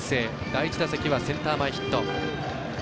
第１打席はセンター前ヒット。